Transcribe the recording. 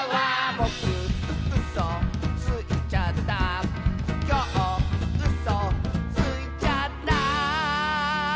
「ぼくうそついちゃった」「きょううそついちゃった」